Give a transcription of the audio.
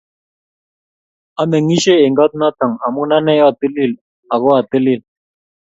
Ameng'isei eng koot notok amu anee atilil ako atilil.